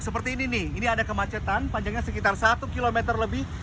seperti ini nih ini ada kemacetan panjangnya sekitar satu km lebih